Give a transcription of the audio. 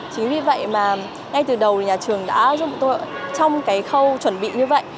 chính vì vậy mà ngay từ đầu thì nhà trường đã giúp bọn tôi ạ trong cái khâu chuẩn bị như vậy